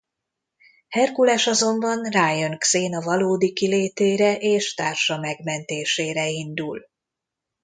Herkules azonban rájön Xena valódi kilétére és társa megmentésére indul.